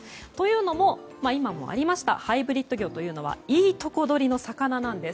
というのも今もありましたハイブリッド魚というのはいいとこ取りの魚なんです。